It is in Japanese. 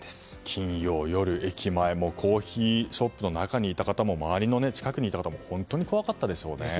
金曜夜、駅前もコーヒーショップの中にいた方も周りの近くにいた方も本当に怖かったでしょうね。